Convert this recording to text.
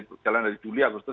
berjalan dari juli agustus